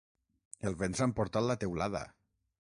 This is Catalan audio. El vent s'ha emportat la teulada.